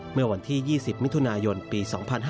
เมื่อวันที่๒๐มิถุนายนปี๒๕๕๙